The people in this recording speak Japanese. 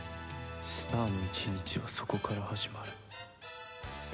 スターの１日はそこから始まる